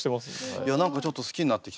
いや何かちょっと好きになってきた。